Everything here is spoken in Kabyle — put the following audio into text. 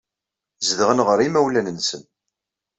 Zedɣen ɣer yimawlan-nsen.